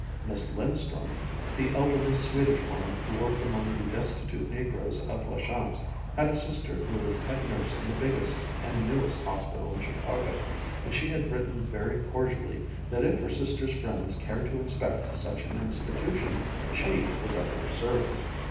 Miss Lindström, the elderly Swedish woman who worked among the destitute negroes of La Chance, had a sister who was head nurse in the biggest and newest hospital in Chicago, and she had written very cordially that if her sister's friends cared to inspect such an institution, she was at their service.